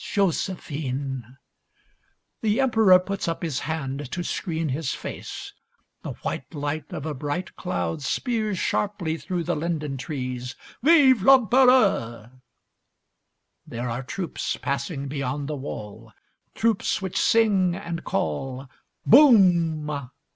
Josephine! The Emperor puts up his hand to screen his face. The white light of a bright cloud spears sharply through the linden trees. 'Vive l'Empereur!' There are troops passing beyond the wall, troops which sing and call. Boom!